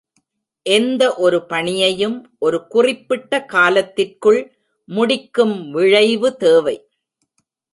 எந்த ஒரு பணியையும் ஒரு குறிப்பிட்ட காலத்திற்குள் முடிக்கும் விழைவு தேவை.